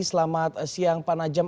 selamat siang pak najam